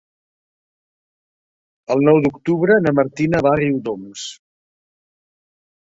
El nou d'octubre na Martina va a Riudoms.